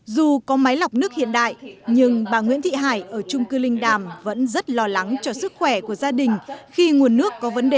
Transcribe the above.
dù có máy lọc nước hiện đại nhưng bà nguyễn thị hải ở trung cư linh đàm vẫn rất lo lắng cho sức khỏe của gia đình khi nguồn nước có vấn đề